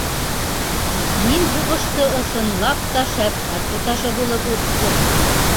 Мин һуғышты ысынлап та шәфҡәт туташы булып үттем.